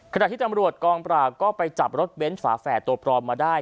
ขณะที่ตำรวจกองปราบก็ไปจับรถเบ้นฝาแฝดตัวปลอมมาได้